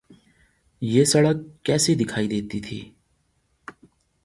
یہ سڑک کیسی دکھائی دیتی تھی۔